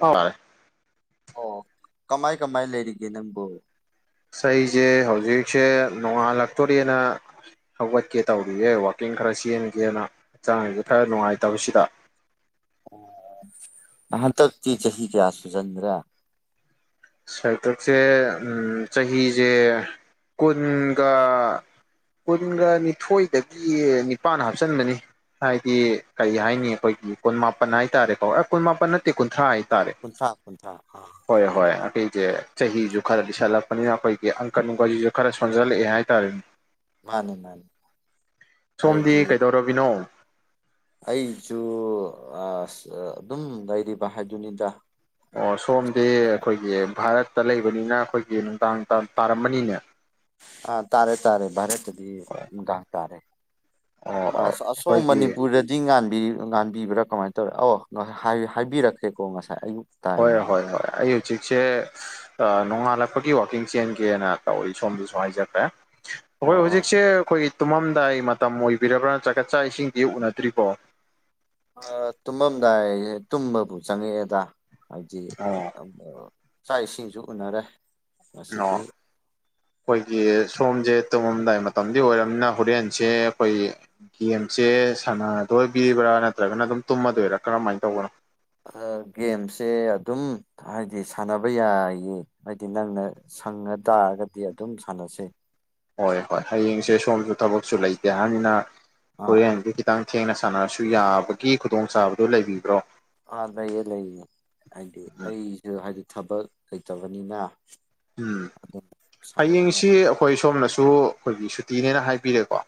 ꯍꯣꯏ ꯑꯣ ꯀꯃꯥꯏ ꯀꯃꯥꯏ ꯂꯩꯔꯤꯒꯦ ꯅꯪꯕꯨ ꯑꯩꯁꯦ ꯍꯧꯖꯤꯛꯁꯦ ꯅꯣꯡꯉꯥꯜꯂꯛꯇꯣꯔꯦꯅ ꯍꯧꯒꯠꯀꯦ ꯇꯧꯔꯤꯌꯦ ꯋꯥꯛꯀꯤꯡ ꯈꯔ ꯆꯦꯟꯒꯦꯅ ꯍꯛꯆꯥꯡꯁꯦ ꯈꯔ ꯅꯨꯡꯉꯥꯏꯇꯕꯁꯤꯗ ꯍꯟꯗꯛꯇꯤ ꯆꯍꯤ ꯀꯌꯥ ꯁꯨꯆꯟꯈ꯭ꯔꯦ ꯍꯟꯗꯛꯁꯦ ꯆꯍꯤꯁꯦ ꯀꯨꯟꯒ ꯀꯨꯟꯒ ꯅꯤꯊꯣꯏꯗꯒꯤ ꯅꯤꯄꯥꯟ ꯍꯥꯞꯆꯟꯕꯅꯤ ꯍꯥꯏꯗꯤ ꯀꯩ ꯍꯥꯏꯅꯤ ꯑꯩꯈꯣꯏꯒꯤ ꯀꯨꯟ ꯃꯥꯄꯟ ꯍꯥꯏꯇꯥꯔꯦꯀꯣ ꯀꯨꯟ ꯃꯥꯄꯟ ꯅꯠꯇꯦ ꯀꯨꯟꯊ꯭ꯔꯥ ꯍꯥꯏꯇꯥꯔꯦ ꯀꯨꯟꯊ꯭ꯔꯥ ꯀꯨꯟꯊ꯭ꯔꯥ ꯑꯥ ꯍꯣꯏ ꯍꯣꯏ ꯑꯩꯩꯁꯦ ꯆꯍꯤꯁꯨ ꯈꯔ ꯂꯤꯁꯜꯂꯛꯄꯅꯤꯅ ꯑꯩꯈꯣꯏꯒꯤ ꯑꯪꯀ ꯅꯨꯡꯀꯁꯤꯁꯨ ꯈꯔ ꯁꯣꯟꯖꯜꯂꯛꯑꯦ ꯍꯥꯏꯇꯥꯔꯦꯅꯦ ꯃꯥꯅꯦ ꯃꯥꯅꯦ ꯁꯣꯝꯗꯤ ꯀꯩꯗꯧꯔꯝꯃꯤꯅꯣ ꯑꯩꯁꯨ ꯑꯗꯨꯝ ꯂꯩꯔꯤꯕ ꯍꯥꯏꯗꯨꯅꯤꯗ ꯑꯣ ꯁꯣꯝꯗꯤ ꯑꯩꯈꯣꯏꯒꯤ ꯚꯥꯔꯠꯇ ꯂꯩꯕꯅꯤꯅ ꯑꯩꯈꯣꯏꯒꯤ ꯅꯨꯡꯗꯥꯡ ꯇꯥꯔꯝꯃꯅꯤꯅꯦ ꯑ ꯇꯥꯔꯦ ꯇꯥꯔꯦ ꯇꯥꯔꯦ ꯑꯣ ꯅꯨꯡꯗꯥꯡ ꯇꯥꯔꯦ ꯑ ꯑꯣ ꯑꯁꯣꯝ ꯑꯩꯈꯣꯏꯒꯤ ꯃꯅꯤꯄꯨꯔ ꯆꯤꯡ ꯉꯥꯟꯕꯤꯕ꯭ꯔꯥ ꯀꯃꯥꯏꯅ ꯇꯧꯋꯦ ꯑꯧ ꯍꯥꯏꯕꯤꯔꯛꯈ꯭ꯔꯦꯀꯣ ꯉꯁꯥꯏ ꯑꯌꯨꯛ ꯇꯥꯏ ꯍꯣꯏ ꯍꯥꯏꯅ ꯍꯣꯏ ꯍꯣꯏ ꯑꯩ ꯍꯧꯖꯤꯛꯁꯦ ꯑ ꯅꯣꯡꯉꯥꯜꯂꯛꯄꯒꯤ ꯋꯥꯀꯤꯡ ꯆꯦꯟꯒꯦꯅ ꯇꯧꯏ ꯁꯣꯝꯗꯁꯨ ꯍꯥꯏꯖꯈ꯭ꯔꯦ ꯑꯩꯈꯣꯏ ꯑꯣ ꯑꯣ ꯍꯧꯖꯤꯛꯁꯦ ꯑꯩꯈꯣꯏꯒꯤ ꯇꯨꯝꯃꯝꯗꯥꯏ ꯃꯇꯝ ꯑꯣꯏꯕꯤꯔꯕ꯭ꯔꯥ ꯅꯠꯇꯔꯒ ꯆꯥꯛ ꯏꯁꯤꯡꯗꯤ ꯎꯅꯗ꯭ꯔꯤꯕꯣ ꯑ ꯇꯨꯝꯃꯝꯗꯥꯏ ꯑꯌꯦ ꯇꯨꯝꯕꯕꯨ ꯆꯪꯉꯛꯑꯦꯗ ꯍꯥꯏꯗꯤ ꯑꯣ ꯆꯥꯛ ꯏꯁꯤꯡꯁꯨ ꯎꯅꯔꯦ ꯑꯣ ꯉꯁꯤꯗꯤ ꯈꯣꯏꯒꯤ ꯁꯣꯝꯖꯦ ꯇꯨꯝꯃꯝꯗꯥꯏ ꯃꯇꯝꯗꯤ ꯑꯣꯏꯔꯕꯅꯤꯅ ꯍꯣꯔꯦꯟꯁꯦ ꯑꯩꯈꯣꯏꯒꯤ ꯒꯦꯝꯁꯦ ꯁꯅꯥꯗꯣꯏꯕꯤꯔꯤꯕ꯭ꯔꯥ ꯅꯠꯇ꯭ꯔꯒꯅ ꯑꯗꯨꯝ ꯇꯨꯝꯃꯗꯣꯏꯔꯥ ꯀꯔꯝꯃꯥꯏꯅ ꯇꯧꯕꯅꯣ ꯑ ꯒꯦꯝꯁꯦ ꯑꯗꯨꯝ ꯍꯥꯏꯗꯤ ꯁꯥꯟꯅꯕ ꯌꯥꯏꯌꯦ ꯍꯥꯏꯗꯤ ꯅꯪꯅ ꯁꯪꯉ ꯇꯥꯔꯒꯗꯤ ꯑꯗꯨꯝ ꯁꯥꯟꯅꯁꯦ ꯍꯣꯏ ꯍꯣꯏ ꯍꯌꯦꯡꯁꯦ ꯁꯣꯝꯁꯨ ꯊꯕꯛꯁꯨ ꯂꯩꯇꯦ ꯍꯥꯏꯕꯅꯤꯅ ꯑꯥ ꯑꯥ ꯍꯣꯔꯦꯟꯁꯦ ꯈꯤꯠ ꯈꯤꯠꯇꯪ ꯊꯦꯡꯅ ꯁꯥꯟꯅꯔꯁꯨ ꯌꯥꯕꯒꯤ ꯈꯨꯗꯣꯡꯆꯥꯕꯗꯨ ꯂꯩꯕꯤꯕ꯭ꯔꯣ ꯑ ꯂꯩꯌꯦ ꯂꯩꯌꯦ ꯍꯥꯏꯗꯤ ꯎꯝ ꯑꯩꯁꯨ ꯍꯥꯏꯗꯤ ꯊꯕꯛ ꯂꯩꯇꯕꯅꯤꯅ ꯎꯝ ꯑꯗꯨꯝ ꯁꯥꯟꯅꯕ ꯌꯥꯏ ꯍꯌꯦꯡꯁꯤ ꯑꯩꯈꯣꯏ ꯁꯣꯝꯅꯁꯨ ꯑꯩꯈꯣꯏꯒꯤ ꯁꯨꯇꯤꯅꯦꯅ ꯍꯥꯏꯕꯤꯔꯦꯀꯣ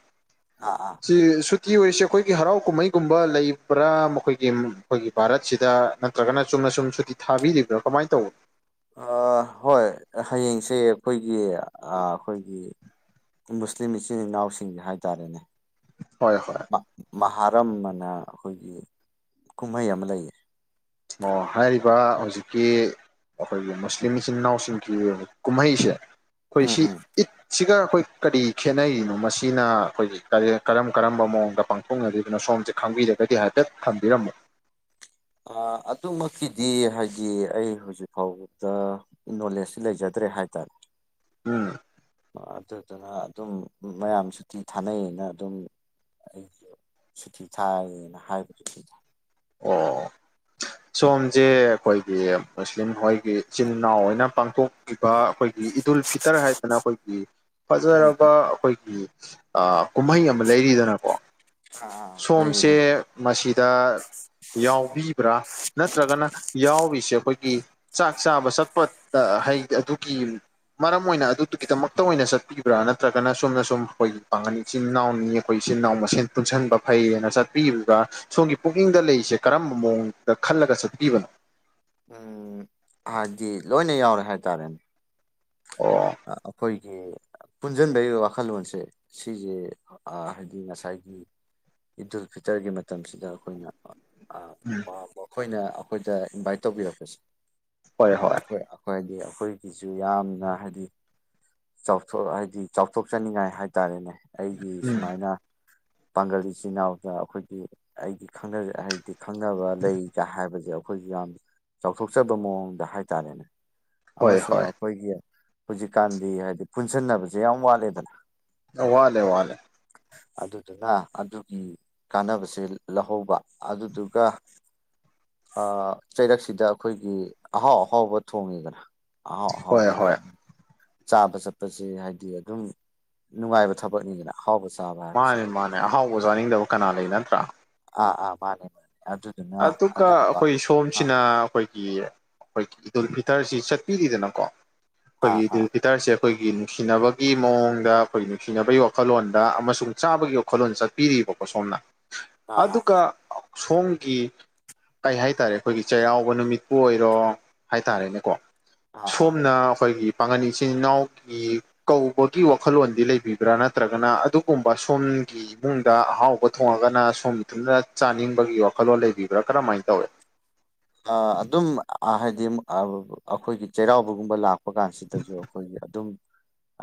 ꯑꯥ ꯑꯥ ꯁꯤ ꯁꯨꯇꯤ ꯑꯣꯏꯔꯤꯁꯦ ꯑꯩꯈꯣꯏꯒꯤ ꯍꯔꯥꯎ ꯀꯨꯝꯍꯩꯒꯨꯝꯕ ꯂꯩꯕ꯭ꯔꯥ ꯃꯈꯣꯏꯒꯤ ꯃꯈꯣꯏꯒꯤ ꯚꯥꯔꯠꯁꯤꯗ ꯅꯠꯇ꯭ꯔꯒꯅ ꯆꯨꯝꯅ ꯁꯨꯝ ꯁꯨꯇꯤ ꯊꯥꯕꯤꯔꯤꯕ꯭ꯔꯥ ꯀꯃꯥꯏꯅ ꯇꯧ ꯑ ꯍꯣꯏ ꯍꯌꯦꯡꯁꯦ ꯑꯩꯈꯣꯏꯒꯤ ꯑ ꯑꯩꯈꯣꯏꯒꯤ ꯃꯨꯁꯂꯤꯝ ꯏꯆꯤꯟ ꯏꯅꯥꯎꯁꯤꯡꯒꯤ ꯍꯥꯏꯇꯥꯔꯦꯅꯦ ꯍꯣꯏ ꯍꯣꯏ ꯃꯍꯥꯔꯝ ꯑꯅ ꯑꯩꯈꯣꯏꯒꯤ ꯀꯨꯝꯍꯩ ꯑꯃ ꯂꯩꯌꯦ ꯑꯣ ꯍꯥꯏꯔꯤꯕ ꯍꯧꯖꯤꯛꯀꯤ ꯑꯩꯈꯣꯏꯒꯤ ꯃꯨꯁꯂꯤꯝ ꯏꯆꯤꯟ ꯏꯅꯥꯎꯁꯤꯡꯒꯤ ꯀꯨꯝꯍꯩꯁꯦ ꯑꯩꯈꯣꯏ ꯎꯝ ꯁꯤ ꯎꯝ ꯏꯠꯁꯤꯒ ꯑꯩꯈꯣꯏ ꯀꯔꯤ ꯈꯦꯠꯅꯔꯤꯅꯣ ꯃꯁꯤꯅ ꯑꯩꯈꯣꯏꯒꯤ ꯀꯔꯤ ꯀꯔꯝ ꯀꯔꯝꯕ ꯃꯑꯣꯡꯗ ꯄꯥꯡ ꯊꯣꯛꯅꯔꯤꯕꯅꯣ ꯁꯣꯝꯁꯦ ꯈꯪꯕꯤꯔꯒꯗꯤ ꯍꯥꯏꯐꯦꯠ ꯊꯝꯕꯤꯔꯝꯃꯣ ꯑꯗꯨꯃꯛꯀꯤꯗꯤ ꯍꯥꯏꯗꯤ ꯑꯩ ꯍꯧꯖꯤꯛ ꯐꯥꯎꯕꯗ ꯅꯣꯂꯦꯖꯇꯤ ꯂꯩꯖꯗ꯭ꯔꯦ ꯍꯥꯏꯇꯥꯔꯦ ꯎꯝ ꯑꯗꯨꯗꯨꯅ ꯑꯗꯨꯝ ꯃꯌꯥꯝ ꯁꯨꯇꯤ ꯊꯥꯅꯩ ꯑꯅ ꯑꯗꯨꯝ ꯑꯩꯁꯨ ꯁꯨꯇꯤ ꯊꯥꯔꯦꯅ ꯍꯥꯏꯅꯕꯅꯦ ꯑꯩꯗꯤ ꯑꯣ ꯁꯣꯝꯁꯦ ꯑꯩꯈꯣꯏꯒꯤ ꯃꯨꯁꯂꯤꯝ ꯍꯣꯏꯒꯤ ꯏꯆꯤꯟ ꯏꯅꯥꯎ ꯑꯣꯏꯅ ꯄꯥꯡꯊꯣꯛ ꯏꯕ ꯑꯩꯈꯣꯏꯒꯤ ꯏꯗꯨꯜ ꯐꯤꯇꯔ ꯍꯥꯏꯗꯅ ꯑꯩꯈꯣꯏꯒꯤ ꯎꯝ ꯐꯖꯔꯕ ꯑꯩꯈꯣꯏꯒꯤ ꯑ ꯀꯨꯝꯍꯩ ꯑꯃ ꯂꯩꯔꯤꯗꯅꯀꯣ ꯑꯥ ꯂꯩꯌꯦ ꯁꯣꯝꯁꯦ ꯂꯩ ꯃꯁꯤꯗ ꯌꯥꯎꯕꯤꯕ꯭ꯔꯥ ꯅꯠꯇ꯭ꯔꯒꯅ ꯌꯥꯎꯔꯤꯁꯦ ꯑꯩꯈꯣꯏꯒꯤ ꯆꯥꯛ ꯆꯥꯕ ꯆꯠꯄꯗ ꯍꯥꯏꯗꯤ ꯑꯗꯨꯒꯤ ꯃꯔꯝ ꯑꯣꯏꯅ ꯑꯗꯨꯗꯨꯒꯤꯗꯃꯛꯇ ꯑꯣꯏꯅ ꯆꯠꯄꯤꯕ꯭ꯔꯥ ꯅꯠꯇ꯭ꯔꯒꯅ ꯁꯣꯝꯅ ꯁꯨꯝ ꯑꯩꯈꯣꯏ ꯄꯥꯡꯒꯜ ꯏꯆꯤꯟ ꯏꯅꯥꯎꯅꯤ ꯑꯩꯈꯣꯏ ꯏꯆꯤꯟ ꯏꯅꯥꯎ ꯃꯁꯦꯟ ꯄꯨꯟꯁꯤꯟꯕ ꯐꯩꯌꯦꯅ ꯆꯠꯄꯤꯔꯤꯕ ꯁꯣꯝꯒꯤ ꯄꯨꯛꯅꯤꯡꯗ ꯂꯩꯔꯤꯁꯦ ꯀꯔꯝꯕ ꯃꯑꯣꯡꯗ ꯈꯜꯂꯒ ꯆꯠꯄꯤꯕꯅꯣ ꯎꯝ ꯍꯥꯏꯗꯤ ꯂꯣꯏꯅ ꯌꯥꯎꯔꯦ ꯍꯥꯏꯇꯥꯔꯦ ꯑꯣ ꯑꯥ ꯑꯩꯈꯣꯏꯒꯤ ꯄꯨꯟꯖꯤꯟꯕꯒꯤ ꯋꯥꯈꯜꯂꯣꯟꯁꯦ ꯁꯤꯁꯦ ꯑꯥ ꯍꯥꯏꯗꯤ ꯉꯁꯥꯏꯒꯤ ꯏꯗꯨꯜ ꯐꯤꯇꯔꯒꯤ ꯃꯇꯝꯁꯤꯗ ꯑꯩꯈꯣꯏꯅ ꯑꯥ ꯎꯝ ꯑ ꯃꯈꯣꯏꯅ ꯑꯩꯈꯣꯏꯗ ꯏꯟꯚꯥꯏꯠ ꯇꯧꯕꯤꯔꯛꯄꯁꯦ ꯍꯣꯏ ꯍꯣꯏ ꯑꯩꯈꯣꯏ ꯈꯣꯏꯗꯤ ꯑꯩꯈꯣꯏꯒꯤꯁꯨ ꯌꯥꯝꯅ ꯍꯥꯏꯗꯤ ꯆꯥꯎꯊꯣꯛ ꯍꯥꯏꯗꯤ ꯆꯥꯎꯊꯣꯛꯆꯅꯤꯡꯉꯥꯏ ꯍꯥꯏꯇꯥꯔꯦꯅꯦ ꯑꯩꯒꯤ ꯎꯝ ꯁꯨꯃꯥꯏꯅ ꯄꯥꯡꯒꯜ ꯏꯆꯤꯟ ꯏꯅꯥꯎꯗ ꯑꯩꯈꯣꯏꯒꯤ ꯑꯩꯗꯤ ꯈꯪ ꯍꯥꯏꯗꯤ ꯈꯪꯅꯕ ꯂꯩꯒ ꯍꯥꯏꯕꯁꯦ ꯑꯩꯈꯣꯏꯁꯨ ꯌꯥꯝ ꯆꯥꯎꯊꯣꯛꯆꯕ ꯃꯑꯣꯡꯗ ꯍꯥꯏꯇꯥꯔꯦꯅꯦ ꯍꯣꯏ ꯑꯃꯁꯨꯡ ꯍꯣꯏ ꯑꯩꯈꯣꯏꯒꯤ ꯍꯧꯖꯤꯛꯀꯥꯟꯗꯤ ꯍꯥꯏꯗꯤ ꯄꯨꯟꯁꯟꯅꯕꯁꯦ ꯌꯥꯝ ꯋꯥꯠꯂꯤꯗꯅ꯫ ꯋꯥꯠꯂꯦ ꯋꯥꯠꯂꯦ ꯑꯗꯨꯗꯨꯅ ꯑꯗꯨꯒꯤ ꯀꯥꯟꯅꯕꯁꯦ ꯂꯧꯍꯧꯕ ꯑꯗꯨꯗꯨꯒ ꯑ ꯆꯩꯔꯛꯁꯤꯗ ꯑꯈꯣꯏꯒꯤ ꯑꯍꯥꯎ ꯑꯍꯥꯎꯕ ꯊꯣꯡꯉꯤꯗꯅ ꯑꯍꯥꯎ ꯍꯣꯏ ꯑꯍꯥꯎꯕꯁꯦ ꯍꯣꯏ ꯆꯥꯕ ꯆꯠꯄꯁꯦ ꯍꯥꯏꯗꯤ ꯑꯗꯨꯝ ꯅꯨꯡꯉꯥꯏꯕ ꯊꯕꯛꯅꯤꯗꯅ ꯑꯍꯥꯎꯕ ꯆꯥꯕ ꯍꯥꯏꯕꯁꯦ ꯃꯥꯅꯦ ꯃꯥꯅꯦ ꯑꯍꯥꯎꯕ ꯆꯥꯅꯤꯡꯗꯕ ꯀꯅꯥ ꯂꯩ ꯅꯠꯇ꯭ꯔꯥ ꯑꯥ ꯑꯥ ꯃꯥꯅꯦ ꯑꯗꯨ ꯑꯗꯨꯒ ꯑꯈꯣꯏ ꯁꯣꯝꯁꯤꯅ ꯑꯈꯣꯏ ꯑꯈꯣꯏꯒꯤ ꯏꯗꯨꯜ ꯐꯤꯇꯔꯁꯤ ꯆꯠꯄꯤꯔꯤꯗꯅꯀꯣ ꯑꯥ ꯑꯈꯣꯏꯒꯤ ꯑꯥ ꯏꯗꯨꯜ ꯐꯤ ꯍꯤꯇꯔꯁꯦ ꯑꯈꯣꯏꯒꯤ ꯅꯨꯡꯁꯤꯅꯕꯒꯤ ꯃꯑꯣꯡꯗ ꯑꯈꯣꯏꯒꯤ ꯅꯨꯡꯁꯤꯅꯕꯩ ꯋꯥꯈꯜꯂꯣꯟꯗ ꯑꯃꯁꯨꯡ ꯆꯥꯕꯒꯤ ꯋꯥꯈꯜꯂꯣꯟ ꯆꯠ ꯄꯤꯔꯤꯕꯀꯣ ꯁꯣꯝꯅ ꯑꯥ ꯑꯥ ꯑꯗꯨꯒ ꯁꯣꯝ ꯒꯤ ꯀꯩ ꯍꯥꯏꯇꯥꯔꯦ ꯑꯈꯣꯏꯒꯤ ꯆꯩꯔꯥꯎꯕ ꯅꯨꯃꯤꯠꯄꯨ ꯑꯣꯏꯔꯣ ꯍꯥꯏꯇꯥꯔꯦꯅꯦꯀꯣ ꯑꯥ ꯑꯥ ꯁꯣꯝꯅ ꯑꯈꯣꯏꯒꯤ ꯄꯥꯉꯜ ꯏꯆꯤꯟ ꯏꯅꯥꯎ ꯒꯤ ꯀꯧꯕꯒꯤ ꯋꯥꯈꯜꯂꯣꯟꯗꯤ ꯂꯩꯕꯤꯕ꯭ꯔꯥ ꯅꯠꯇ꯭ꯔꯒꯅ ꯑꯗꯨꯒꯨꯝꯕ ꯁꯣꯝꯒꯤ ꯏꯃꯨꯡꯗ ꯑꯍꯥꯎꯕ ꯊꯣꯡꯉꯒꯅ ꯁꯣꯝ ꯏꯊꯟ ꯆꯥꯅꯤꯡꯕꯒꯤ ꯋꯥꯈꯜꯂꯣꯟ ꯂꯩꯕꯤꯕ꯭ꯔꯥ ꯀꯔꯝꯍꯥꯏꯅ ꯇꯧꯏ꯫ ꯑ ꯑꯗꯨꯝ ꯍꯥꯏꯗꯤ ꯃ ꯑ ꯑꯈꯣꯏꯒꯤ ꯆꯩꯔꯥꯎꯕꯒꯨꯝꯕ ꯂꯥꯛ ꯄ ꯀꯥꯟꯁꯤꯗꯁꯨ ꯑꯈꯣꯏꯒꯤ ꯑꯗꯨꯝ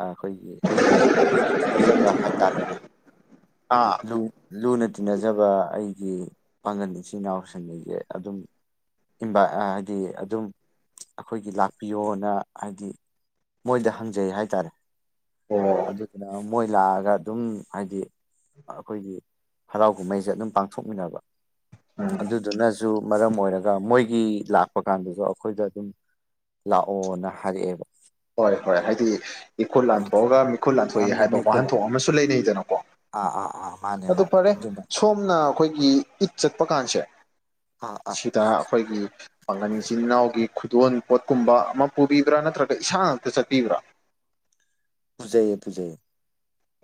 ꯑ ꯑꯈꯣꯏꯒꯤ ꯑꯩꯩꯒ ꯂꯨꯅ ꯇꯤꯟꯅꯖꯕ ꯍꯥꯏꯇꯥꯔꯦꯅꯦ ꯑꯥ ꯂꯨ ꯂꯨꯅ ꯇꯤꯟꯅꯖꯕ ꯑꯩꯒꯤ ꯄꯥꯡꯉꯟ ꯏꯆꯤꯟ ꯏꯅꯥꯎꯁꯤꯡꯒꯤꯁꯦ ꯑꯗꯨꯝ ꯏꯝꯚ ꯍꯥꯏꯗꯤ ꯑꯗꯨꯝ ꯑꯈꯣꯏꯒꯤ ꯂꯥꯛꯄꯤꯌꯣꯅ ꯍꯥꯏꯗꯤ ꯃꯣꯏꯗ ꯍꯪꯖꯩ ꯍꯥꯏꯇꯔꯦ꯫ ꯑꯣ꯫ ꯑꯗꯨꯗꯨꯅ ꯃꯣꯏ ꯂꯥꯛꯑꯒ ꯑꯗꯨꯝ ꯍꯥꯏꯗꯤ ꯑꯈꯣꯏꯒꯤ ꯍꯔꯥꯎ ꯀꯨꯝꯍꯩꯁꯦ ꯑꯗꯨꯝ ꯄꯥꯡꯊꯣꯛꯃꯤꯟꯅꯕ ꯎꯝ ꯑꯗꯨꯗꯨꯅꯁꯨ ꯃꯔꯝ ꯑꯣꯏꯔ ꯒ ꯃꯣꯏꯒꯤ ꯂꯥꯛꯄ ꯀꯥꯟꯗꯁꯨ ꯑꯈꯣꯏꯗ ꯑꯗꯨꯝ ꯂꯥꯛꯑꯣꯅ ꯍꯥꯏꯔꯛꯑꯦꯕ꯫ ꯍꯣꯏ ꯍꯣꯏ ꯍꯥꯏꯗꯤ ꯏꯈꯨꯠ ꯂꯥꯟꯊꯣꯛꯑꯒ ꯃꯤꯈꯨꯠ ꯂꯥꯟꯊꯣꯛꯏ ꯑꯃꯤꯠ ꯍꯥꯏꯕ ꯃꯤꯈꯨꯜ ꯋꯥꯍꯟꯊꯣꯛ ꯑꯃꯁꯨ ꯂꯩꯅꯩꯗꯅꯀꯣ꯫ ꯑꯥ ꯑꯥ ꯑꯥ꯫ ꯃꯥꯅꯦ ꯑꯗꯣ ꯃꯥꯅꯦ ꯐꯔꯦ ꯑꯗꯨꯃ ꯁꯣꯝꯅ ꯑꯈꯣꯏꯒꯤ ꯏꯠ ꯆꯠꯄ ꯀꯥꯟꯁꯦ ꯑꯥ ꯑꯥ꯫ ꯗ ꯑꯈꯣꯏꯒꯤ ꯄꯥꯉꯟ ꯏꯆꯤꯟ ꯏꯅꯥꯎꯒꯤ ꯈꯨꯗꯣꯟ ꯄꯣꯠꯀꯨꯝꯕ ꯑꯃ ꯄꯨꯕꯤꯕ꯭ꯔꯥ ꯅꯠꯇ꯭ꯔꯒ ꯏꯁꯥ ꯉꯥꯛꯇ ꯆꯠꯄꯤꯕ꯭ꯔꯥ꯫ ꯄꯨꯨꯖꯩꯌꯦ ꯄꯨꯖꯩꯌꯦ꯫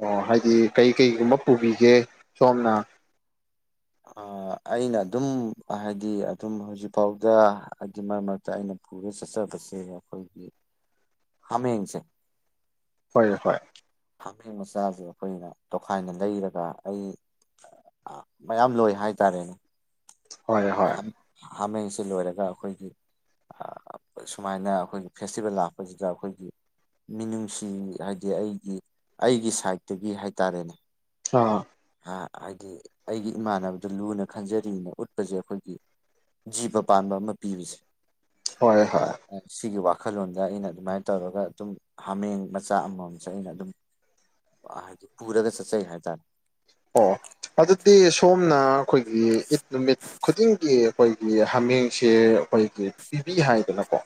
ꯑꯣ ꯍꯥꯏꯗꯤ ꯀꯩ ꯀꯩꯒꯨꯝꯕ ꯄꯨꯕꯤꯒꯦ ꯁꯣꯝꯅ꯫ ꯑ ꯑꯩꯅ ꯑꯗꯨꯝ ꯍꯥꯏꯗꯤ ꯑꯗꯨꯝ ꯍꯧꯖꯤꯛꯐꯥꯎꯗ ꯍꯥꯏꯗꯤ ꯃꯔꯛ ꯃꯔꯛ ꯇ ꯑꯩꯅ ꯄꯨꯔ ꯆꯠꯆꯕꯁꯦ ꯑꯈꯣꯏꯒꯤ ꯍꯥꯃꯦꯡꯁꯦ꯫ ꯍꯣꯏ ꯍꯣꯏ꯫ ꯍꯥꯃꯦꯡ ꯃꯆꯥꯖꯦ ꯑꯈꯣꯏꯅ ꯇꯣꯈꯥꯏꯅ ꯂꯩꯔꯒ ꯑꯩ ꯑ ꯃꯌꯥꯝ ꯂꯣꯏ ꯍꯥꯏꯇꯥꯔꯦꯅꯦ꯫ ꯍꯣꯏ ꯍꯣꯏ꯫ ꯍꯥꯝ ꯍꯥꯃꯦꯡꯁꯦ ꯂꯣꯏꯔꯒ ꯑꯈꯣꯏꯒꯤ ꯑ ꯁꯨꯃꯥꯏꯅ ꯑꯈꯣꯏꯒꯤ ꯐꯦꯁꯇꯤꯚꯦꯜ ꯂꯥꯛꯄꯁꯤꯗ ꯑꯈꯣꯏꯒꯤ ꯃꯤꯅꯨꯡꯁꯤ ꯍꯥꯏꯗꯤ ꯑꯩꯒꯤ ꯑꯩꯒꯤ ꯁꯥꯏꯠꯇꯒꯤ ꯍꯥꯏꯇꯔꯦꯅꯦ꯫ ꯑꯥ꯫ ꯑ ꯍꯥꯏꯗꯤ ꯑꯩꯒꯤ ꯏꯃꯥꯟꯅꯕꯗ ꯂꯨꯅ ꯈꯟꯖꯔꯤꯅ ꯎꯠꯄꯖꯦ ꯑꯈꯣꯏꯒꯤ ꯖꯤꯕ ꯄꯥꯟꯕ ꯑꯃ ꯄꯤꯕꯁꯦ꯫ ꯍꯣꯏ ꯍꯣꯏ꯫ ꯁꯤꯒꯤ ꯋꯥꯈꯜꯂꯣꯟꯗ ꯑꯩꯅ ꯑꯗꯨꯃꯥꯏꯅ ꯇꯧꯔꯒ ꯑꯗꯨꯝ ꯍꯥꯃꯦꯡ ꯃꯆꯥ ꯑꯃꯃꯝꯁꯦ ꯑꯩꯅ ꯑꯗꯨꯝ ꯑ ꯍꯥꯏꯗꯤ ꯄꯨꯔꯒ ꯆꯠꯆꯩ ꯍꯥꯏꯇꯔꯦ꯫ ꯑꯣ ꯑꯗꯨꯗꯤ ꯁꯣꯝꯅ ꯑꯈꯣꯏꯒꯤ ꯏꯠ ꯅꯨꯃꯤꯠ ꯈꯨꯗꯤꯡꯒꯤ ꯑꯩꯈꯣꯏꯒꯤ ꯍꯥꯃꯦꯡꯁꯦ ꯑꯩꯈꯣꯏꯒꯤ ꯄꯤꯕꯤ ꯍꯥꯏꯗꯅꯀꯣ꯫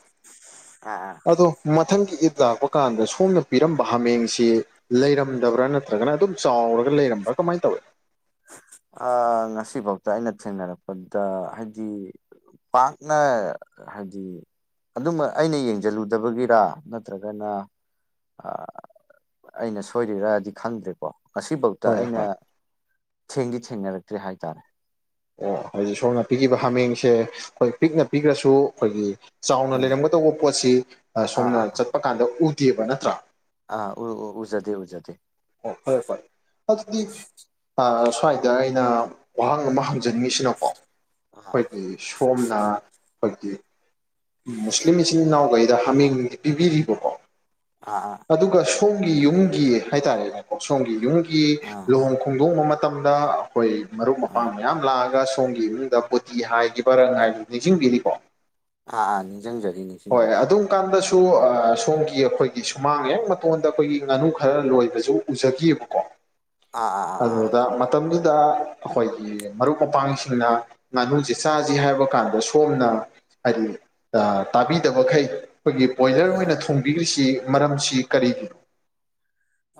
ꯑꯥ ꯑꯥ꯫ ꯑꯗꯣ ꯃꯊꯪꯒꯤ ꯏꯠ ꯂꯥꯛꯄ ꯀꯥꯟꯗ ꯁꯣꯝꯅ ꯄꯤꯔꯝꯕ ꯍꯥꯃꯦꯡꯁꯤ ꯂꯩꯔꯝꯗꯕ꯭ꯔꯥ ꯅꯠꯇ꯭ꯔꯒꯅ ꯑꯗꯨꯝ ꯆꯥꯎꯔꯒ ꯂꯩꯔꯝꯕ꯭ꯔꯥ ꯀꯃꯥꯏꯅ ꯇꯧꯏ꯫ ꯑ ꯉꯁꯤꯕꯥꯎꯗ ꯑꯩꯅ ꯊꯦꯡꯅꯔꯛꯄꯗ ꯍꯥꯏꯗꯤ ꯄꯥꯛꯅ ꯍꯥꯏꯗꯤ ꯑꯗꯨꯝꯃ ꯑꯩꯅ ꯌꯦꯡꯖꯜꯂꯨꯗꯕꯒꯤꯔꯥ ꯅꯠꯇ꯭ꯔꯒꯅ ꯑ ꯑꯩꯅ ꯁꯣꯏꯔꯤꯔꯗꯤ ꯈꯪꯗ꯭ꯔꯦꯀꯣ ꯉꯁꯤꯕꯥꯎꯇ ꯍꯣꯏ ꯑꯩꯅ ꯍꯣꯏ ꯊꯦꯡꯗꯤ ꯊꯦꯡꯅꯔꯛꯇ‌ꯔꯤ ꯍꯥꯏꯇꯥꯔꯦ ꯑꯣ ꯍꯥꯏꯗꯤ ꯁꯣꯝꯅ ꯄꯤꯒꯤꯕ ꯍꯥꯃꯦꯡꯁꯦ ꯑꯩꯈꯣꯏ ꯄꯤꯛꯅ ꯄꯤꯒꯔꯁꯨ ꯑꯩꯈꯣꯏꯒꯤ ꯆꯥꯎꯅ ꯎꯝ ꯂꯩꯔꯝꯒꯗꯧꯕ ꯄꯣꯠꯁꯤ ꯑ ꯑꯥ ꯁꯣꯝꯅ ꯑꯥ ꯆꯠꯄ ꯀꯥꯟꯗ ꯎꯗꯦꯕ ꯅꯠꯇ꯭ꯔꯥ ꯑꯥ ꯎ ꯎ ꯎꯖꯗ° ꯎꯖꯗ° ꯑꯣ ꯍꯣꯢ ꯍꯣꯢ ꯑꯗꯨꯗꯤ ꯑ ꯁ꯭ꯋꯥꯏꯗ ꯑꯩꯅ ꯋꯥꯍꯪ ꯑꯃ ꯍꯪꯖꯅꯤꯡꯉꯤꯁꯤꯅꯀꯣ ꯑꯥ ꯑꯩꯈꯣꯏꯒꯤ ꯁꯣꯝꯅ ꯈꯣꯏꯒꯤ ꯃꯨꯁꯂꯤꯝ ꯏꯆꯤꯜ ꯏꯅꯥꯎꯒꯩꯗ ꯍꯥꯃꯦꯡꯗꯤ ꯄꯤꯕꯤꯔꯤꯕꯀꯣ ꯑꯥ ꯑ ꯑꯗꯨꯒ ꯁꯣꯝꯒꯤ ꯌꯨꯝꯒꯤ ꯍꯥꯏꯇꯥꯔꯦꯅꯦꯀꯣ ꯁꯣꯝꯒꯤ ꯌꯨꯝꯒꯤ ꯑꯥ ꯂꯨꯍꯣꯡ ꯈꯣꯡꯗꯣꯡꯕ ꯃ ꯥꯇꯝꯗ ꯑꯩꯈꯣꯏ ꯃꯔꯨꯞ ꯑꯥ ꯑꯥ ꯃꯄꯥꯡ ꯃꯌꯥꯝ ꯂꯥꯛꯑꯒ ꯁꯣꯝꯒꯤ ꯏꯃꯨꯡꯗ ꯄꯣꯇꯤ ꯍꯥꯏꯒꯤꯕ ꯔꯪ ꯍꯥꯏꯒꯤꯕꯗꯨ ꯅꯤꯡꯁꯤꯡꯕꯤꯔꯤꯕꯣ ꯑꯥ ꯑꯥ ꯅꯤꯡꯖꯪꯖꯔꯤ ꯅꯤꯡꯁꯤꯡꯖꯔꯤ ꯑꯗꯨꯝ ꯀꯥꯟꯗꯁꯨ ꯑ ꯁꯣꯝꯒꯤ ꯑꯩꯈꯣꯏꯒꯤ ꯃꯥꯡ ꯍꯦꯛ ꯃꯇꯣꯟꯗ ꯑꯩꯈꯣꯏꯒꯤ ꯉꯥꯅꯨ ꯈꯔ ꯂꯣꯏꯕꯖꯨ ꯎꯖꯒꯤꯑꯕꯀꯣ ꯑꯥ ꯑꯥ ꯑꯗꯨ ꯑꯥ ꯑ ꯃꯇꯝꯗꯨꯗ ꯑꯩꯈꯣꯏꯒꯤ ꯃꯔꯨꯞ ꯃꯄꯥꯡꯁꯤꯡꯅ ꯉꯥꯅꯨꯖꯤ ꯆꯥꯖꯤ ꯍꯥꯏꯕ ꯀꯥꯟꯗ ꯁꯣꯝꯅ ꯍꯥꯏꯗꯤ ꯑ ꯇꯥꯕꯤꯗꯕꯈꯩ ꯑꯩꯈꯣꯏꯒꯤ ꯕꯣꯏꯂꯔ ꯑꯥ ꯑꯣꯏꯅ ꯊꯣꯡꯕꯤꯔꯤꯁꯤ ꯃꯔꯝꯁꯤ ꯀꯔꯤꯒꯤꯅꯣ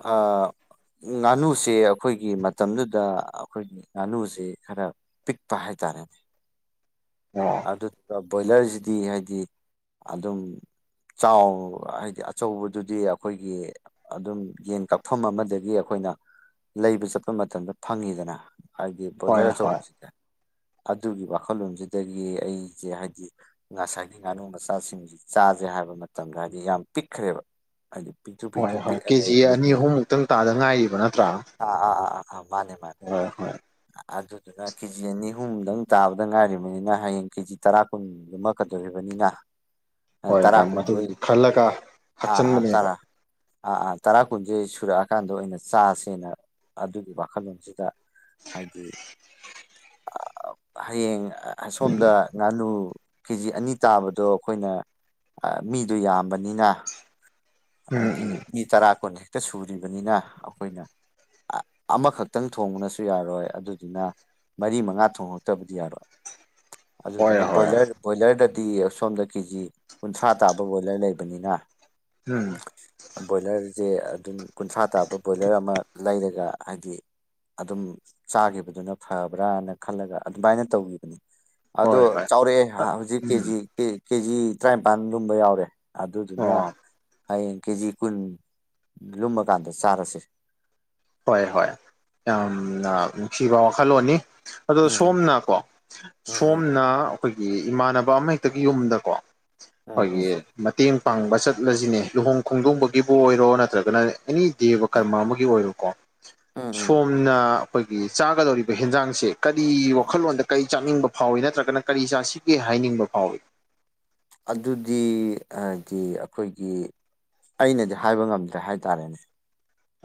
ꯑꯑ ꯉꯥꯅꯨꯁꯦ ꯑꯩꯈꯣꯏꯒꯤ ꯃꯇꯝꯗꯨꯗ ꯑꯩꯈꯣꯏꯒꯤ ꯉꯥꯅꯨꯖꯤ ꯈꯔ ꯄꯤꯛꯄ ꯍꯥꯏꯇꯥꯔꯦꯅꯦ ꯑꯣ ꯑꯗꯨꯒ ꯕꯣꯏꯂꯔꯖꯤꯗꯤ ꯍꯥꯏꯗꯤ ꯑꯗꯨꯝ ꯆꯥꯎ ꯑ ꯍꯥꯏꯗꯤ ꯑꯆꯧꯕꯗꯨꯗꯤ ꯑꯩꯈꯣꯏꯒꯤ ꯑꯗꯨꯝ ꯌꯦꯟ ꯀꯛꯐꯝ ꯑꯃꯗꯒꯤ ꯑꯩꯈꯣꯏꯅ ꯂꯩꯕ ꯆꯠꯄ ꯃꯇꯝꯗ ꯐꯪꯉꯤꯗꯅ ꯍꯥꯏꯗꯤ ꯍꯣꯏ ꯕꯣꯗꯔ ꯍꯣꯏ ꯑꯆꯧꯕꯖꯤꯗ ꯑꯗꯨꯒꯤ ꯋꯥꯈꯜꯂꯣꯟꯖꯤꯗꯒꯤ ꯑꯩꯖꯦ ꯍꯥꯏꯗꯤ ꯉꯁꯥꯏꯒꯤ ꯉꯥꯅꯨ ꯃꯆꯥꯖꯤꯡꯖꯤꯗꯤ ꯆꯥꯖꯦ ꯍꯥꯏꯕ ꯃꯇꯝꯗ ꯍꯥꯏꯗꯤ ꯌꯥꯝ ꯄꯤꯛꯈ꯭ꯔꯦꯕ ꯍꯥꯏꯗꯤ ꯄꯤꯛꯇ꯭ꯔꯨ ꯄꯤꯇꯨ ꯍꯣꯏ ꯍꯣꯏ ꯄꯤꯛꯑ ꯂꯩ ꯀꯦꯖꯤ ꯑꯅꯤ ꯑꯍꯨꯝꯃꯨꯛꯇꯪ ꯇꯥꯗ ꯉꯥꯏꯔꯤꯕ ꯅꯠꯇ꯭ꯔꯥ ꯑꯥ ꯑꯥ ꯑꯥ ꯑꯥ ꯑꯥ ꯃꯥꯅꯦ ꯃꯥꯅꯦ ꯍꯣꯏ ꯍꯣꯏ ꯑꯗꯨꯗꯨꯅ ꯀꯦꯖꯤ ꯑꯅꯤ ꯑꯍꯨꯝꯗꯪ ꯇꯥꯕꯗ ꯉꯥꯏꯔꯤꯕꯅꯤꯅ ꯍꯌꯦꯡ ꯀꯦꯖꯤ ꯇꯔꯥ ꯀꯨꯟ ꯂꯨꯃꯛ ꯀꯗꯣꯔꯤꯕꯅꯤꯅ ꯍꯣꯏ ꯇꯔꯥ ꯍꯣꯏ ꯀꯨꯟ ꯃꯗꯨꯒꯤ ꯈꯜꯂꯒ ꯑꯥ ꯑꯥ ꯍꯥꯞꯆꯤꯟꯕꯅꯦꯕ ꯇꯔꯥ ꯑꯑ ꯇꯔꯥ ꯀꯨꯟꯖꯦ ꯁꯨꯔꯛꯑꯀꯥꯟꯗ ꯑꯣꯏꯅ ꯆꯥꯖꯦꯅ ꯑꯗꯨꯒꯤ ꯋꯥꯈꯜꯂꯣꯟꯖꯤꯗ ꯍꯥꯏꯗꯤ ꯑꯑ ꯍꯌꯦꯡ ꯑꯁꯣꯝꯗ ꯉꯥꯅꯨ ꯀꯦꯖꯤ ꯑꯅꯤ ꯇꯥꯕꯗꯣ ꯑꯩꯈꯣꯏꯅ ꯑ ꯃꯤꯗꯣ ꯌꯥꯝꯕꯅꯤꯅ ꯑꯥꯏ ꯎꯝ ꯗꯤ ꯎꯝ ꯃꯤ ꯇꯔꯥ ꯀꯨꯟ ꯍꯦꯛꯇ ꯁꯨꯔꯤꯕꯅꯤꯅ ꯑꯩꯈꯣꯏꯅ ꯑ ꯑꯃꯈꯛꯇꯪ ꯊꯣꯡꯕꯅꯁꯨ ꯌꯥꯔꯣꯏ ꯑꯗꯨꯗꯨꯅ ꯃꯔꯤ ꯃꯉꯥ ꯊꯣꯡꯉꯛꯇꯕꯗꯤ ꯌꯥꯔꯣꯏ ꯍꯣꯏ ꯑꯗꯨꯗꯨꯅ ꯍꯣꯏ ꯕꯣꯏꯂꯔ ꯕꯣꯏꯂꯔꯗꯗꯤ ꯁꯣꯝꯗ ꯀꯦꯖꯤ ꯀꯨꯟꯊ꯭ꯔꯥ ꯇꯥꯕ ꯕꯣꯏꯂꯔ ꯂꯩꯕꯅꯤꯅ ꯎꯝ ꯕꯣꯏꯂꯔꯖ‍‍‌ꯦ ꯑꯗꯨꯝ ꯀꯨꯟꯊ꯭ꯔꯥ ꯇꯥꯕ ꯕꯣꯏꯂꯔ ꯑꯃ ꯂꯩꯔꯒ ꯍꯥꯏꯗꯤ ꯑꯗꯨꯝ ꯆꯥꯒꯤꯕꯗꯨꯅ ꯐꯕ꯭ꯔꯥꯅ ꯈꯜꯂꯒ ꯑꯗꯨꯃꯥꯏꯅ ꯇꯧꯒꯤꯕꯅꯤ ꯑꯗꯣ ꯍꯣꯏ ꯍꯣꯏ ꯆꯥꯎꯔꯛꯑꯦ ꯑ ꯍꯧꯖꯤꯛ ꯎꯝ ꯀꯦꯖꯤ ꯀꯦ ꯀꯦꯖꯤ ꯇꯔ꯭ꯥꯏꯝꯄꯥꯟ ꯂꯨꯝꯕ ꯌꯥꯎꯔꯦ ꯑꯗꯨꯗꯨꯅ ꯑꯣ ꯍꯌꯦꯡ ꯀꯦꯖꯤ ꯀꯨꯟ ꯂꯨꯝꯃꯀꯥꯟꯗ ꯆꯥꯔꯁꯦ ꯍꯣꯏ ꯍꯣꯏ ꯌꯥꯝꯅ ꯅꯨꯡꯁꯤꯕ ꯋꯥꯈꯜꯂꯣꯟꯅꯤ ꯑꯗꯣ ꯎꯝ ꯁꯣꯝꯅꯀꯣ ꯎꯝ ꯎꯝ ꯁꯣꯝꯅ ꯑꯩꯈꯣꯏꯒꯤ ꯏꯃꯥꯟꯅꯕ ꯑꯃꯍꯦꯛꯇꯒꯤ ꯌꯨꯝꯗꯀꯣ ꯎꯝ ꯎꯝ ꯈꯣꯏꯒꯤ ꯃꯇꯦꯡ ꯄꯥꯡꯕ ꯆꯠꯂꯁꯤꯅꯦ ꯂꯨꯍꯣꯡ ꯈꯣꯡꯗꯣꯡꯕꯒꯤꯕꯨ ꯑꯣꯏꯔꯣ ꯅꯠꯇ꯭ꯔꯒꯅ ꯑꯦꯅꯤ ꯗꯦꯕ ꯀꯔꯃ ꯑꯃꯒꯤ ꯑꯣꯏꯔꯣ ꯀꯣ ꯎꯝ ꯎꯝ ꯁꯣꯝ [unintelligible] ꯑꯩꯈꯣꯏꯒꯤ ꯆꯥꯒꯗꯧꯔꯤꯕ ꯍꯦꯟꯖꯥꯡꯁꯦ ꯀꯔꯤ ꯋꯥꯈꯜꯂꯣꯟꯗ ꯀꯔꯤ ꯆꯥꯅꯤꯡꯕ ꯐꯥꯎꯏ ꯅꯠꯇ꯭ꯔꯒꯅ ꯀꯔꯤ ꯆꯥꯁꯤ ꯒꯦ ꯍꯥꯏꯅꯤꯡꯕ ꯐꯥꯎꯋꯤ ꯑꯗꯨꯗꯤ ꯍꯥꯏꯗꯤ ꯑꯩꯈꯣꯏꯒꯤ ꯑꯩꯅꯗꯤ ꯍꯥꯏꯕ ꯉꯝꯗ꯭ꯔꯦ ꯍꯥꯏꯇꯥꯔꯦꯅꯦ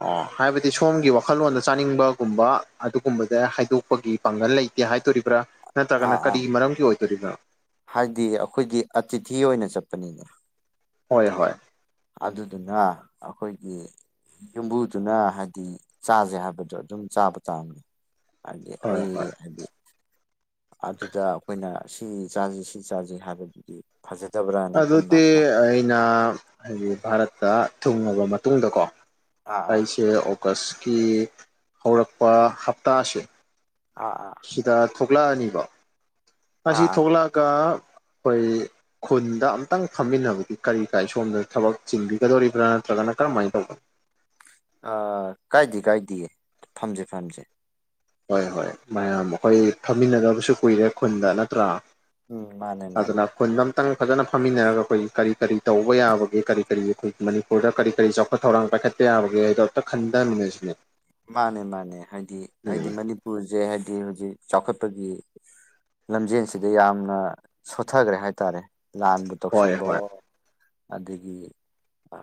ꯑꯣ ꯍꯥꯏꯕꯗꯤ ꯁꯣꯝꯒꯤ ꯋꯥꯈꯜꯂꯣꯟꯗ ꯆꯥꯅꯤꯡꯕꯒꯨꯝꯕ ꯑꯗꯨꯒꯨꯝꯕꯗ ꯍꯥꯏꯗꯣꯛꯄꯒꯤ ꯄꯥꯡꯒꯜ ꯂꯩꯇꯦ ꯍꯥꯏꯗꯣꯔꯤꯕ꯭ꯔꯥ ꯅꯠꯇ꯭ꯔꯒꯅ ꯑꯥ ꯀꯔꯤ ꯑꯥ ꯃꯔꯝꯒꯤ ꯑꯣꯏꯗꯣꯔꯤꯅꯣ ꯍꯥꯏꯗꯤ ꯑꯈꯣꯏꯒꯤ ꯑꯇꯤꯊꯤ ꯑꯣꯏꯅ ꯆꯠꯄꯅꯤꯅ ꯍꯣꯏ ꯍꯣꯏ ꯑꯗꯨꯗꯨꯅ ꯑꯩꯈꯣꯏꯒꯤ ꯌꯨꯝꯕꯨꯗꯨꯅ ꯍꯥꯏꯗꯤ ꯆꯥꯖꯦ ꯍꯥꯏꯕꯗꯣ ꯑꯗꯨꯝ ꯆꯥꯕ ꯇꯥꯕꯅꯤ ꯍꯥꯏꯗꯤ ꯍꯣꯏ ꯑꯩ ꯍꯣꯏ ꯍꯥꯏꯗꯤ ꯑꯗꯨꯗ ꯑꯈꯣꯏꯅ ꯁꯤ ꯆꯥꯖꯤ ꯁꯤ ꯆꯥꯖꯤ ꯍꯥꯏꯕꯗꯨꯗꯤ ꯐꯖꯗꯕ꯭ꯔꯥ ꯑꯗꯨꯗꯤ ꯑꯩꯅ ꯍꯥꯏꯗꯤ ꯚꯥꯔꯠꯇ ꯊꯨꯡꯉꯕ ꯃꯇꯨꯡꯗꯀꯣ ꯑꯥ ꯑꯥ ꯑꯩꯁꯦ ꯑꯣꯒꯁꯀꯤ ꯍꯧꯔꯛꯄ ꯍꯞꯇꯥꯁꯦ ꯑꯥ ꯑꯥ ꯁꯤꯗ ꯊꯣꯛꯂꯛꯑꯅꯤꯕ ꯑꯥ ꯑꯁꯤ ꯑꯥ ꯊꯣꯛꯂꯛꯑꯒ ꯑꯩꯈꯣꯏ ꯈꯨꯟꯗ ꯑꯝꯇꯪ ꯐꯝꯃꯤꯟꯅꯕꯗꯤ ꯀꯔꯤ ꯀꯥꯏ ꯁꯣꯝꯗ ꯊꯕꯛ ꯆꯤꯟꯕꯤꯒꯗꯧꯔꯤꯕ꯭ꯔꯥ ꯅꯠꯇ꯭ꯔꯒꯅ ꯀꯔꯝꯥꯏꯅ ꯇꯧꯕꯅꯣ ꯑ ꯀꯥꯏꯗꯤ ꯀꯥꯏꯗꯤꯌꯦ ꯐꯝꯖꯦ ꯐꯝꯖꯦ ꯍꯣꯏ ꯍꯣꯏ ꯃꯌꯥꯝ ꯑꯩꯈꯣꯏ ꯐꯝꯃꯤꯟꯅꯗꯕꯁꯨ ꯀꯨꯏꯔꯦ ꯈꯨꯟꯗ ꯅꯠꯇ꯭ꯔꯥ ꯎꯝ ꯃꯥꯅꯦ ꯃꯥꯅꯦ ꯐꯖꯅꯞ ꯈꯨꯟꯗ ꯑꯝꯇꯪ ꯐꯖꯅ ꯐꯝꯃꯤꯟꯅꯔꯒ ꯑꯩꯈꯣꯏꯒꯤ ꯀꯔꯤ ꯀꯔꯤ ꯇꯧꯕ ꯌꯥꯕꯒꯦ ꯀꯔꯤ ꯀꯔꯤ ꯑꯩꯈꯣꯏꯒꯤ ꯃꯅꯤ ꯄꯨꯔꯗ ꯀꯔꯤ ꯀꯔꯤ ꯆꯥꯎꯈꯠ ꯊꯧꯔꯥꯡ ꯄꯥꯏꯈꯠꯄ ꯌꯥꯕꯒꯦ ꯍꯥꯏꯗꯣ ꯑꯝꯇ ꯑꯥ ꯈꯟꯗꯃꯤꯟꯅꯁꯤꯅꯦ ꯃꯥꯅꯦ ꯃꯥꯅꯦ ꯍꯥꯏꯗꯤ ꯍꯥꯏꯗꯤ ꯃꯅꯤꯄꯨꯔꯖꯦ ꯍꯥꯏꯗꯤ ꯍꯧꯖꯤꯛ ꯆꯥꯎꯈꯠꯄꯒꯤ ꯂꯝꯖꯦꯟꯁꯤꯗ ꯌꯥꯝꯅ ꯁꯣꯊꯒ꯭ꯔꯦ ꯍꯥꯏꯇꯥꯔꯦ ꯂꯥꯟꯕꯨ ꯍꯣꯏ ꯍꯣꯏ ꯇꯧꯁꯟꯕꯋꯣꯛ ꯑꯗꯒꯤ ꯑ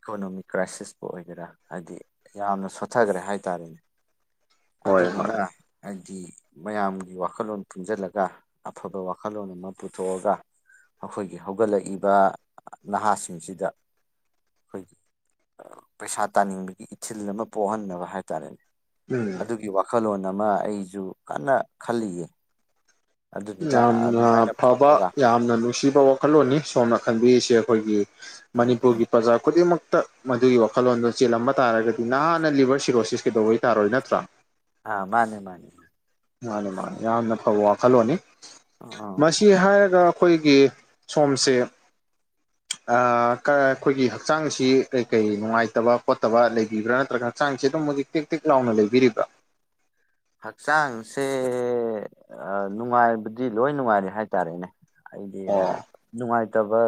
ꯏꯀꯣꯅꯣꯃꯤꯛ ꯀ꯭ꯔꯥꯏꯁꯤꯁꯄꯨ ꯑꯣꯏꯒꯦꯔꯥ ꯍꯥꯏꯗꯤ ꯌꯥꯝꯅ ꯁꯣꯊꯒ꯭ꯔꯦ ꯍꯥꯏꯇꯥꯔꯦꯅꯦ ꯍꯣꯏ ꯑꯗꯨꯗꯨꯅ ꯍꯣꯏ ꯍꯥꯏꯗꯤ ꯃꯌꯥꯝꯒꯤ ꯋꯥꯈꯜꯂꯣꯟ ꯄꯨꯟꯖꯜꯂꯒ ꯑꯐꯕ ꯋꯥꯈꯜꯂꯣꯟ ꯑꯃ ꯄꯨꯊꯣꯛꯑꯒ ꯑꯈꯣꯏꯒꯤ ꯍꯧꯒꯠꯂꯛꯏꯕ ꯅꯍꯥꯁꯤꯡꯁꯤꯗ ꯈꯣꯏꯒꯤ ꯄꯩꯁꯥ ꯇꯥꯟꯅꯤꯡꯕꯒꯤ ꯏꯊꯤꯜ ꯑꯃ ꯄꯣꯛꯍꯟꯅꯕ ꯍꯥꯏꯇꯥꯔꯦꯅꯦ ꯎꯝ ꯑꯗꯨꯒꯤ ꯋꯥ ꯈꯜꯂꯣꯟ ꯑꯃ ꯑꯩꯖꯨ ꯀꯟꯅ ꯈꯜꯂꯤꯌꯦ ꯑꯗꯨꯗꯨꯗ ꯌꯥꯝꯅ ꯑꯗꯨꯃꯥꯏꯅ ꯐꯕ ꯐꯝꯃꯒ ꯌꯥꯝꯅ ꯅꯨꯡꯁꯤꯕ ꯋꯥꯈꯜꯂꯣꯟꯅꯤ ꯁꯣꯝꯅ ꯈꯟꯕꯤꯔꯤꯁꯦ ꯑꯩꯈꯣꯏꯒꯤ ꯎꯝ ꯃꯅꯤꯄꯨꯔꯒꯤ ꯄ꯭ꯔꯖꯥ ꯈꯨꯗꯤꯡꯃꯛꯇ ꯃꯗꯨꯒꯤ ꯋꯥꯈꯜꯂꯣꯟꯗꯨ ꯆꯦꯜꯂꯝꯕ ꯇꯥꯔꯒꯗꯤ ꯅꯍꯥꯟꯅ ꯂꯤꯚꯔ ꯁꯤꯔꯣꯁꯤꯁ ꯀꯩꯗꯧꯕꯩ ꯇꯥꯔꯣꯏ ꯅꯠꯇ꯭ꯔꯥ ꯑꯥ ꯃꯥꯅꯦ ꯃꯥꯅꯦ ꯃꯥꯅꯦ ꯃꯥꯅꯤ ꯌꯥꯝꯅ ꯐꯕ ꯋꯥꯈꯜꯂꯣꯟꯅꯤ [unintelligible] ꯀꯤ ꯍꯥꯏꯔꯒ ꯑꯈꯣꯏꯒꯤ ꯁꯣꯝꯁꯦ [inaudible] ꯑ ꯀ ꯑꯈꯣꯏꯒꯤ ꯍꯛꯆꯥꯡꯁꯤ ꯀꯩ ꯀꯩ ꯅꯨꯡꯉꯥꯏꯇꯕ ꯈꯣꯠꯇꯕ ꯂꯩꯕꯤꯕ꯭ꯔꯥ ꯅꯠꯇ꯭ꯔꯒ ꯍꯛꯆꯥꯡꯁꯦ ꯑꯗꯨꯝꯕꯗꯤ ꯇꯤꯛ ꯇꯤꯛ ꯂꯥꯎꯅ ꯂꯩꯕꯤꯔꯤꯕ꯭ꯔꯥ ꯍꯛꯆꯥꯡꯁꯦ ꯑꯥ ꯅꯨꯡꯉꯥꯏꯕꯗꯤ ꯂꯣꯏ ꯅꯨꯡꯉꯥꯏꯔꯦ ꯍꯥꯏꯇꯥꯔꯦꯅꯦ ꯑꯩꯗꯤ ꯑꯣ ꯍꯥꯏ ꯅꯨꯡꯉꯥꯏꯇꯕ